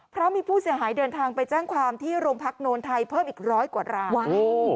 เพราะมีผู้เสียหายเดินทางไปแจ้งความที่โรงพักโนนไทยเพิ่มอีกร้อยกว่าราย